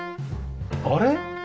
あれ？